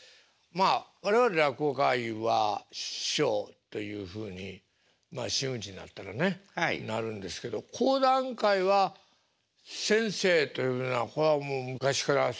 まあ我々落語界は師匠というふうに真打ちになったらねなるんですけど講談界は先生と呼ぶのはこれはもう昔からそういうふうに決まって。